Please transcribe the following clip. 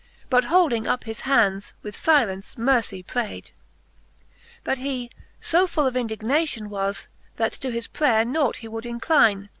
But holding up his hands, with filence mercie prayd, XXVI. But he fo full of indignation was. That to his prayer nought he would incline.